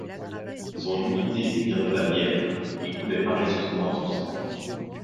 Son unité lui vient de la Bièvre, qui coulait paresseusement en son centre.